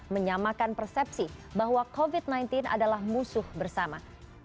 menyamakan persepsi bahwa covid sembilan belas adalah musuh bersama